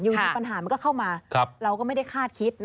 อยู่ที่ปัญหาก็เข้ามาเราก็ไม่ได้คาดคิด